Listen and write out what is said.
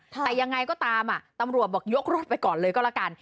ใครก็ตามอ่ะตำรวจบอกยกรถไปก่อนเลยก็ละกัน